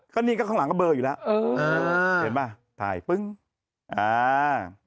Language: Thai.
ก็นี่ก็ข้างหลังก็เบอร์อยู่แล้วเออเห็นป่ะถ่ายปึ้งอ่า